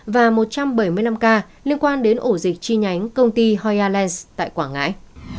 và một trăm bảy mươi năm ca liên quan đến ổ dịch chi nhánh công ty hoielland tại quảng ngãi